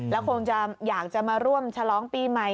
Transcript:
แล้วคงจะอยากจะมาร่วมฉลองปีใหม่